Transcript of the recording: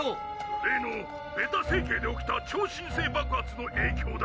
「例のレダ星系で起きた超新星爆発の影響だ」